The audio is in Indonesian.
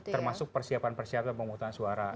termasuk persiapan persiapan pemungutan suara